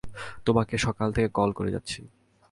তোমাকে সকাল থেকে কল করে যাচ্ছি।